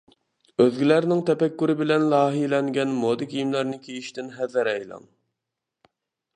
ئۆزگىلەرنىڭ تەپەككۇرى بىلەن لايىھەلەنگەن مودا كىيىملەرنى كىيىشتىن ھەزەر ئەيلەڭ.